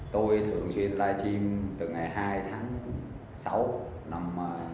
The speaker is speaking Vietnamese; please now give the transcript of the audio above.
tôi thường xuyên live stream từ ngày hai tháng sáu năm hai nghìn một mươi tám